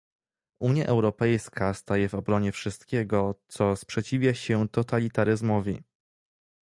Unia Europejska staje w obronie wszystkiego, co sprzeciwia się totalitaryzmowi